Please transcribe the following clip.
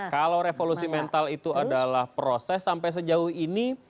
kalau revolusi mental itu adalah proses sampai sejauh ini